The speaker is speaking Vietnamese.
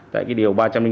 tại điều ba trăm linh sáu